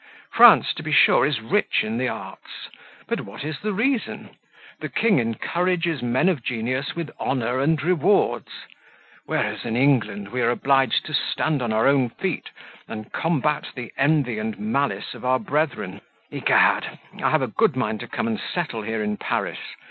France, to be sure, is rich in the arts; but what is the reason? The king encourages men of genius with honour and rewards; whereas, in England, we are obliged to stand on our own feet, and combat the envy and malice of our brethren. Egad! I have a good mind to come and settle here in Paris.